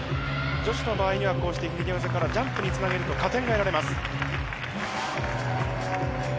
女子の場合には、こうして技からジャンプにつなげると加点が得られます。